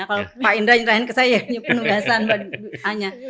kalau pak indra nyerahin ke saya ini penugasan hanya